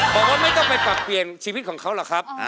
บอกว่าไม่ต้องไปปรับเปลี่ยนชีวิตของเขาหรอกครับ